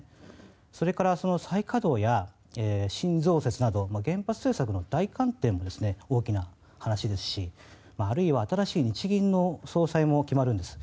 それから再稼働や新増設など原発政策の大転換も大きな話ですしあるいは新しい日銀の総裁も決まるんです。